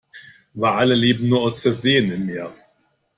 Wale leben nur aus Versehen im Meer.